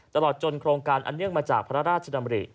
ตลอดจนโครงการอันเนื่องมาจากพระราชดำริ